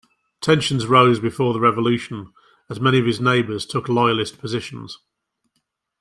Tensions rose before the revolution, as many of his neighbors took Loyalist positions.